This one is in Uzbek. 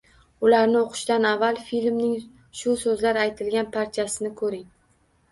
Ularni o’qishdan avval filmning shu so’zlar aytilgan parchasini ko’ring